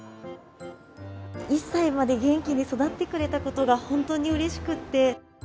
１歳まで元気に育ってくれたことが、本当にうれしくって。